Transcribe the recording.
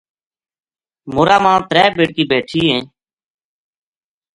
مورا ما ترے بیٹکی بیٹھی ہیں